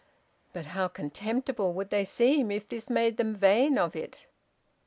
But how contemptible they would seem if this made them vain of it!